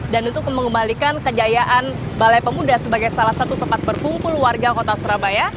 dan untuk mengembalikan kejayaan balai pemuda sebagai salah satu tempat berkumpul warga kota surabaya